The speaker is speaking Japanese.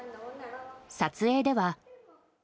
撮影では。